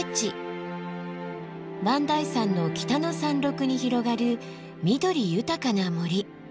磐梯山の北の山麓に広がる緑豊かな森。